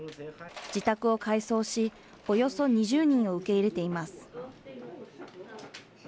自宅を改装し、およそ２０人を受け入れています。